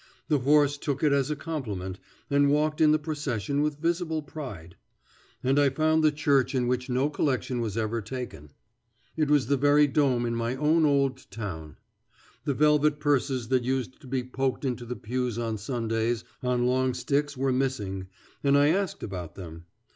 The horse took it as a compliment and walked in the procession with visible pride. And I found the church in which no collection was ever taken. It was the very Dom in my own old town. The velvet purses that used to be poked into the pews on Sundays on long sticks were missing, and I asked about them.